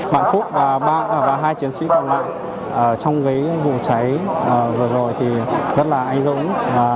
vận phúc và hai chiến sĩ còn lại trong cái vụ cháy vừa rồi thì rất là anh dũng